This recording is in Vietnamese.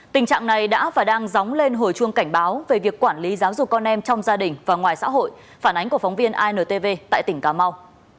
tình trạng này đã và đang dóng lên hồi chuông cảnh báo về việc quản lý giáo dục con em trong gia đình và ngoài xã hội phản ánh của phóng viên intv tại tỉnh cà mau